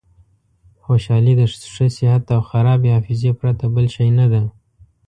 خوشحالي د ښه صحت او خرابې حافظې پرته بل شی نه ده.